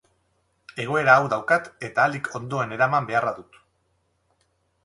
Egoera hau daukat eta ahalik ondoen eraman beharra dut.